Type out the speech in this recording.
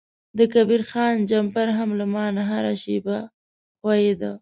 د کبیر خان جمپر هم له ما نه هره شیبه ښویده.